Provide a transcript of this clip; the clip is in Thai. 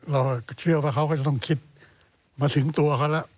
เราเชื่อว่าเขาก็จะต้องคิดมาถึงตัวเขาแล้ว